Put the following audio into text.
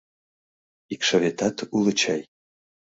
— Икшыветат уло чай?